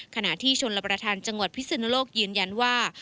ขณะที่ชนรับประทานจังหวัดพิศนุโลกยืนยันว่า